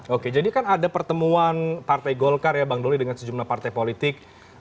oke jadi kan ada pertemuan partai golkar ya bang doli dengan sejumlah partai politik